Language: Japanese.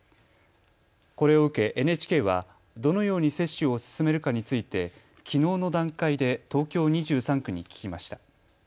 これを受けＮＨＫはどのように接種を進めるかについてきのうの段階で東京２３区に聞きました。